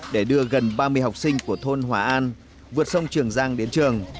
để đưa gần ba mươi học sinh của thôn hóa an vượt sông trường giang đến trường